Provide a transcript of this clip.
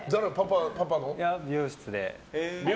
美容室で。